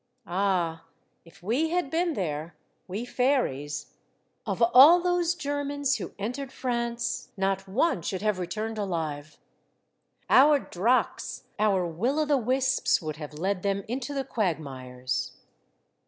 Ah ! if we had been there, we fairies, of all those Germans who entered France, not one should have returned alive. Our draks^ our will o' the wisps would have led them into the quagmires.